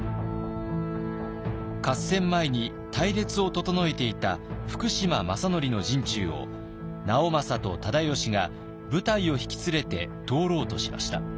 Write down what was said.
合戦前に隊列を整えていた福島正則の陣中を直政と忠吉が部隊を引き連れて通ろうとしました。